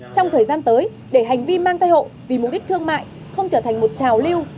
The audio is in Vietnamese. trong thời gian tới để hành vi mang thai hộ vì mục đích thương mại không trở thành một trào lưu